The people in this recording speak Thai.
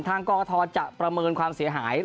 กรกฐจะประเมินความเสียหาย